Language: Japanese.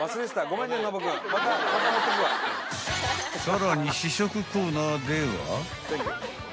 ［さらに試食コーナーでは］